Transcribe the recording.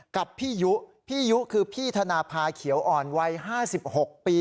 กับพี่ยุพี่ยุคือพี่ธนภาเขียวอ่อนวัย๕๖ปี